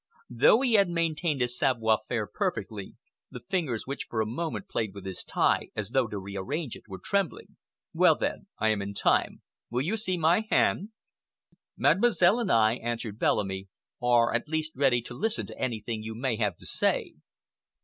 Though he had maintained his savoir faire perfectly, the fingers which for a moment played with his tie, as though to rearrange it, were trembling. "Well, then, I am in time. Will you see my hand?" "Mademoiselle and I," answered Bellamy, "are at least ready to listen to anything you may have to say."